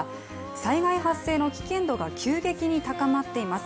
災害発生の危険度が急激に高まっています。